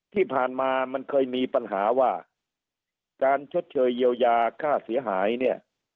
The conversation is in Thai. ที่ผ่านมามันเคยมีปัญหาว่าการชดเชยเยียวยาค่าเสียหายเนี่ย